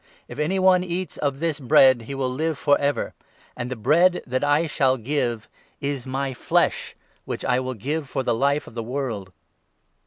If any one eats of this Bread, he will live for ever ; and the Bread that I shall give is my flesh, which I will give for the Life of the world."